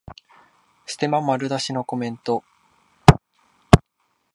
ステマ丸出しのコメント